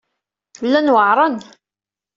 Llan weɛṛen.